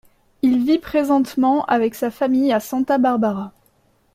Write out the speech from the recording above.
Il vit présentement avec sa famille à Santa Barbara.